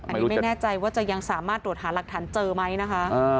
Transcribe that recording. อันนี้ไม่แน่ใจว่าจะยังสามารถตรวจหาหลักฐานเจอไหมนะคะ